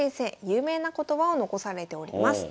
有名な言葉を残されております。